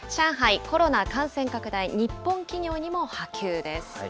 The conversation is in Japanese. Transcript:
上海、コロナ感染拡大、日本企業にも波及です。